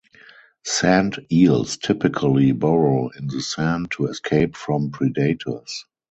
Sand eels typically burrow in the sand to escape from predators.